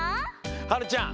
はるちゃん